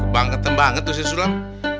bangketan banget tuh si sulam